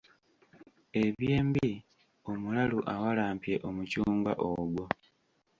Eby'embi omulalu awalampye omucungwa ogwo.